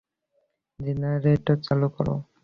Generator চালু করো!